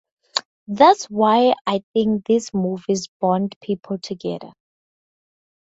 That's why I think these movies bond people together.